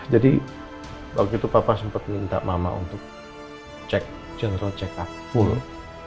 jadi waktu itu papa sempat minta mama untuk general check up full